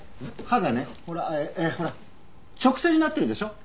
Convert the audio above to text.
刃がねほらええほら直線になってるでしょ。